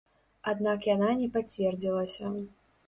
Аднак яна не пацвердзілася.